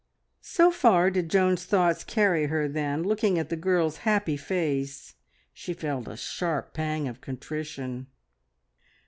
... So far did Joan's thoughts carry her, then, looking at the girl's happy face, she felt a sharp pang of contrition.